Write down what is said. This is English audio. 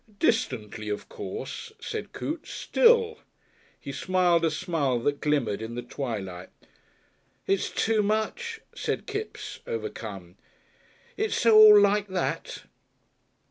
"Distantly, of course," said Coote. "Still " He smiled a smile that glimmered in the twilight. "It's too much," said Kipps, overcome. "It's so all like that."